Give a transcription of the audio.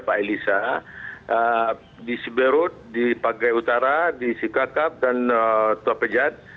pak elisa di siberut di pagai utara di sikakap dan tua pejat